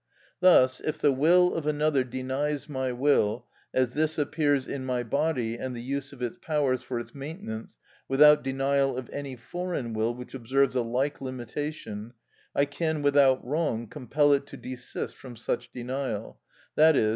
Thus if the will of another denies my will, as this appears in my body and the use of its powers for its maintenance, without denial of any foreign will which observes a like limitation, I can without wrong compel it to desist from such denial, _i.e.